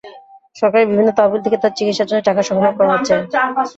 সরকারের বিভিন্ন তহবিল থেকে তার চিকিৎসার জন্য টাকা সংগ্রহ করা হচ্ছে।